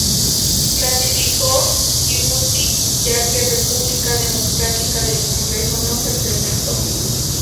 Clasificó Yibuti ya que República Democrática del Congo no se presentó.